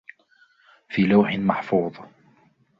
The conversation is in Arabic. في لوح محفوظ